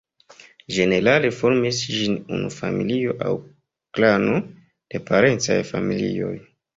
Ĝenerale formis ĝin unu familio aŭ klano de parencaj familioj.